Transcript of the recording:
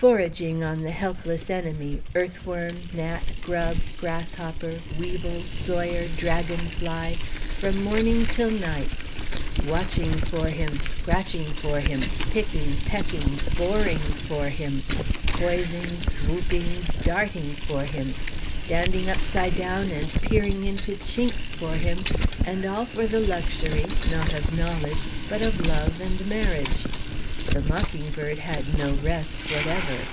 Foraging on the helpless enemy earth worm, gnat, grub, grasshopper, weevil, sawyer, dragon fly from morning till night: watching for him; scratching for him; picking, pecking, boring for him; poising, swooping, darting for him; standing upside down and peering into chinks for him; and all for the luxury not of knowledge, but of love and marriage. The mocking bird had no rest whatever.